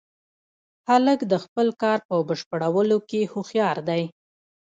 هلک د خپل کار په بشپړولو کې هوښیار دی.